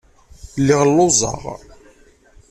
Lliɣ lluẓeɣ.